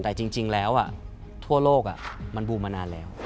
แต่จริงแล้วทั่วโลกมันบูมมานานแล้ว